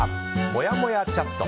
もやもやチャット。